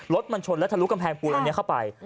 รถมันชนแล้วทะลุกำแพงปูนอันนี้เข้าไป